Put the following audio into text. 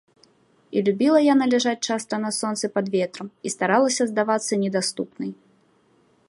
І любіла яна ляжаць часта на сонцы пад ветрам і старалася здавацца недаступнай.